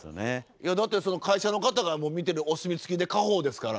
いやだってその会社の方が見てお墨付きで家宝ですから。